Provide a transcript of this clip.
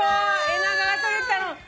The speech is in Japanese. エナガが撮れたの。